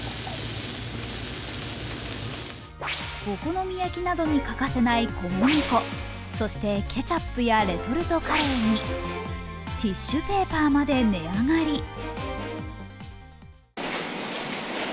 お好み焼きなどに欠かせない小麦粉、そしてケチャップやレトルトカレーにティッシュペーパーまで値上がり。